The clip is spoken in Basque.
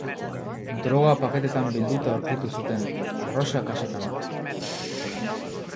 Droga paketetan bilduta aurkitu zuten arrosa kaxetan.